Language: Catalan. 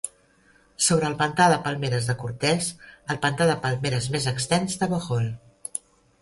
S'obre al pantà de palmeres de Cortes, el pantà de palmeres més extens de Bohol.